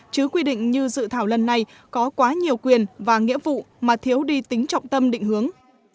chứ quy định như dự thảo lần này có quá nhiều quyền và nghĩa vụ mà thiếu đi tính trọng tâm định hướng